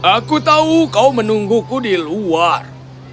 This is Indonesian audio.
aku tahu kau menungguku di luar